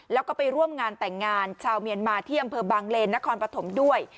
แล้วก็ไปร่วมงานแต่งงานชาวเมียนมาที่อำเภอบางเลนนครปฐมด้วย